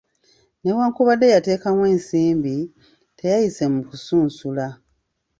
Newankubadde yateekamu ensimbi, teyayise mu kusunsula.